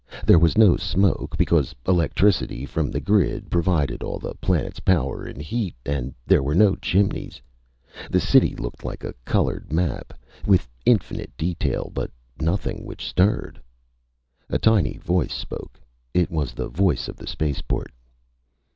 There was no smoke, because electricity from the grid provided all the planet's power and heat, and there were no chimneys. The city looked like a colored map, with infinite detail but nothing which stirred. A tiny voice spoke. It was the voice of the spaceport.